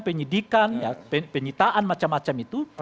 penyidikan penyitaan macam macam itu